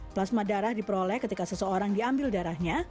plasma darah diperoleh ketika seseorang diambil darahnya